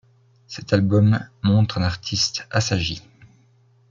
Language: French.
Cet album montre un artiste assagi.